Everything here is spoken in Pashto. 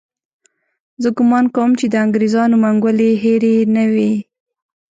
زه ګومان کوم چې د انګریزانو منګولې هېرې نه وي.